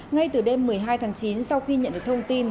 ngay từ đêm một mươi hai tháng chín sau khi nhận được thông tin